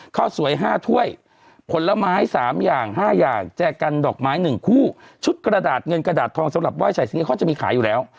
ข้าวสวย๕ถ้วยผลไม้๓อย่าง๕อย่างแจกันดอกไม้๑คู่ชุดกระดาษเงินกระดาษทองสำหรับไห้ใส่ชิ้นนี้เขาจะมีขายอยู่แล้ว